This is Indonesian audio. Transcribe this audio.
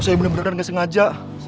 saya bener bener gak sengaja